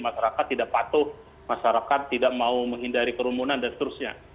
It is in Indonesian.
masyarakat tidak patuh masyarakat tidak mau menghindari kerumunan dan seterusnya